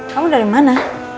kamu dari mana